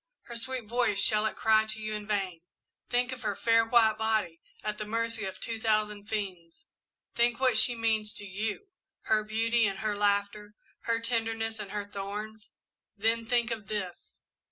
Her sweet voice shall it cry to you in vain? Think of her fair white body, at the mercy of two thousand fiends! Think what she means to you her beauty and her laughter her tenderness and her thorns then think of this!